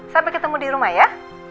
sampai ketemu di rumah ya